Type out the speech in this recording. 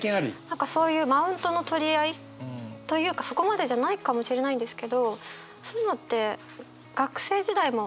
何かそういうマウントの取り合いというかそこまでじゃないかもしれないんですけどそういうのって学生時代もあったなって。